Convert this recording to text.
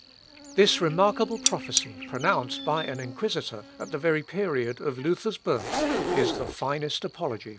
" This remarkable prophecy, pronounced by an inquisitor, at the very period of Luther's birth, is the finest apology for the Reformation.